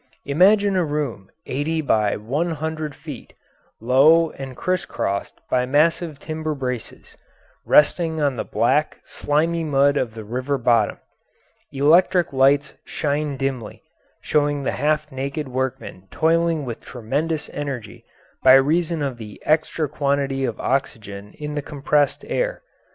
Imagine a room eighty by one hundred feet, low and criss crossed by massive timber braces, resting on the black, slimy mud of the river bottom; electric lights shine dimly, showing the half naked workmen toiling with tremendous energy by reason of the extra quantity of oxygen in the compressed air.